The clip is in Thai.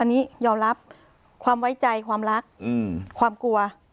อันนี้ยอมรับความไว้ใจความรักความกลัว